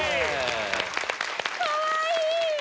かわいい！